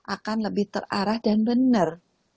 akan lebih terarah dan benar